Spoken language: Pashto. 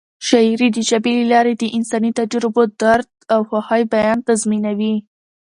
شاعري د ژبې له لارې د انساني تجربو، درد او خوښۍ بیان تضمینوي.